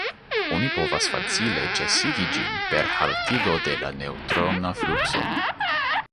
Oni povas facile ĉesigi ĝin per haltigo de la neŭtrona flukso.